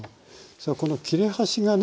さあこの切れ端がね。